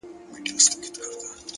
اخلاص د کردار ریښتینی وزن دی.